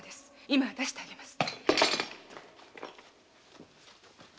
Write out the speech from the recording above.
今出してあげます。